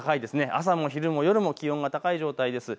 朝も昼も夜も気温が高い状態です。